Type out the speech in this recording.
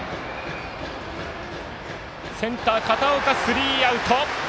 センター片岡つかんでスリーアウト。